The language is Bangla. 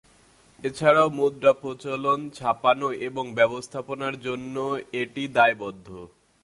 এছাড়াও মুদ্রা প্রচলন, ছাপানো এবং ব্যবস্থাপনার জন্যও এটি দায়বদ্ধ।